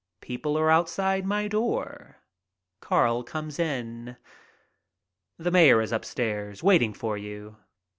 People are outside my door. Carl comes in. "The mayor is upstairs waiting for you."